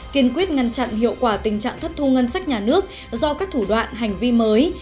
kiên quyết ngăn chặn hiệu quả tình trạng thất thu ngân sách nhà nước do các thủ đoạn hành vi mới